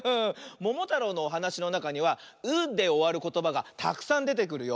「ももたろう」のおはなしのなかには「う」でおわることばがたくさんでてくるよ。